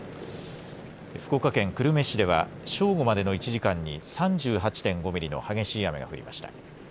福岡県久留米市では正午までの１時間に３８．５ミリの激しい雨が降りました。